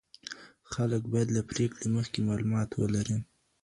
خلک باید له پریکړې مخکې معلومات ولري.